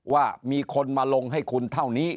ว่ามีคนมาลงให้คุณเท่านี้